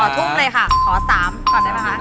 ทุ่มเลยค่ะขอ๓ก่อนได้ไหมคะ